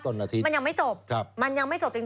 จนอาทิตย์ครับมันยังไม่จบมันยังไม่จบจริง